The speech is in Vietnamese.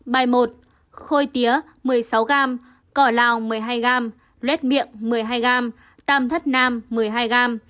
bài một khôi tía một mươi sáu g cỏ lào một mươi hai g lết miệng một mươi hai g tam thất nam một mươi hai g